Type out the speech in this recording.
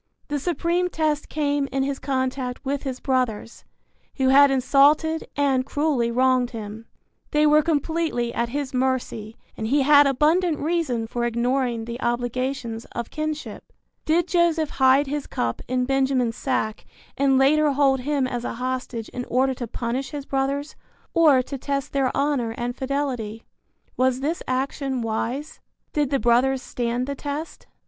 The supreme test came in his contact with his brothers, who had insulted and cruelly wronged him. They were completely at his mercy and he had abundant reason for ignoring the obligations of kinship. Did Joseph hide his cup in Benjamin's sack and later hold him as a hostage in order to punish his brothers or to test their honor and fidelity? Was this action wise? Did the brothers stand the test?